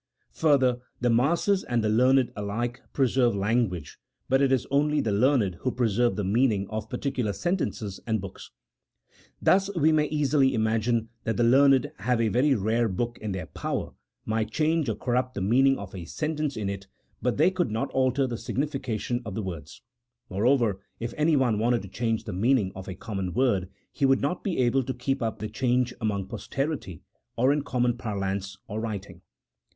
Further, the masses and the learned alike preserve lan guage, but it is only the learned who preserve the meaning of particular sentences and books: thus, we may easily imagine that the learned having a very rare book in their power, might change or corrupt the meaning of a sentence in it, but they could not alter the signification of the words ; moreover, if anyone wanted to change the meaning of a common word he would not be able to keep up the change among posterity, or in common parlance or writing.